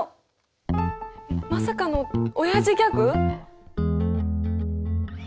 まさかのオヤジギャグ。